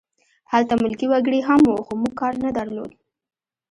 هلته ملکي وګړي هم وو خو موږ کار نه درلود